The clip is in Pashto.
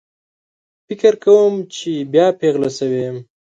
فکر کوم چې بیا پیغله شوې یم